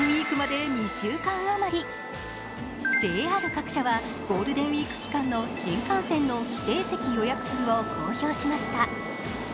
ＪＲ各社はゴールデンウイーク期間の新幹線指定席の予約数を公表しました。